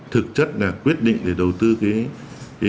thực chất là quyết định để đầu tư cái công ty